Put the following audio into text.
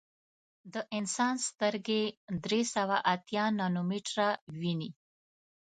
د انسان سترګې درې سوه اتیا نانومیټره ویني.